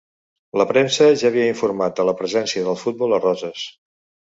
La premsa ja havia informat de la presència del futbol a Roses.